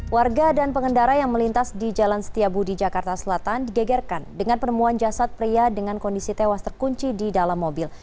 warga dan pengendara yang melintas di jalan setiabudi jakarta selatan digegerkan dengan penemuan jasad pria dengan kondisi tewas terkunci di dalam mobil